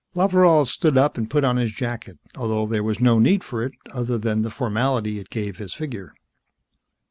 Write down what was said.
Loveral stood up and put on his jacket, although there was no need for it, other than the formality it gave his figure.